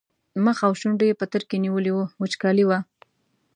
مخ او شونډو یې پترکي نیولي وو وچکالي وه.